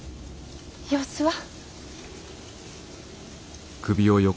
様子は。